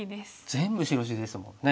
全部白地ですもんね。